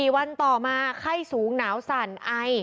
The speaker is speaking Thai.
๔วันต่อมาไข้สูงหนาวสั่นไอ